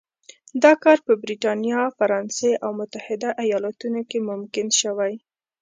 دا کار په برېټانیا، فرانسې او متحده ایالتونو کې ممکن شوی.